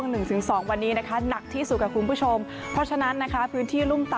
๑ที่ที่๒วันนี้นะครับหนักที่สุดครับคุณผู้ชมเพราะชะนัดนะ